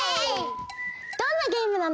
どんなゲームなの？